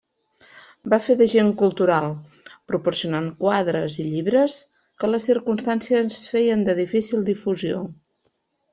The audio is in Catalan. Va fer d'agent cultural, proporcionant quadres i llibres que les circumstàncies feien de difícil difusió.